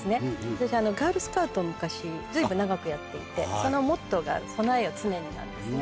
私ガールスカウトを昔随分長くやっていてそのモットーが「そなえよつねに」なんですね。